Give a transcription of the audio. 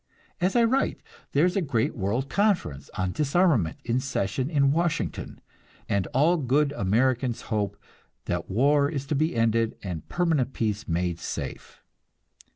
As I write, there is a great world conference on disarmament in session in Washington, and all good Americans hope that war is to be ended and permanent peace made safe.